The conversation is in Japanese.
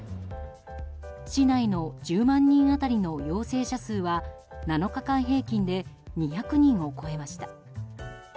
市内の１０万人当たりの陽性者数は７日間平均で２００人を超えました。